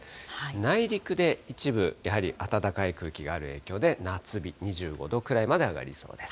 内陸で一部、やはり暖かい空気がある影響で、夏日、２５度くらいまで上がりそうです。